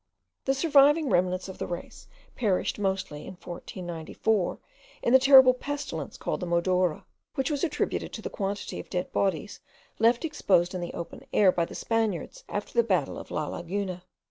The surviving remnants of the race perished mostly in 1494, in the terrible pestilence called the modorra, which was attributed to the quantity of dead bodies left exposed in the open air by the Spaniards after the battle of La Laguna.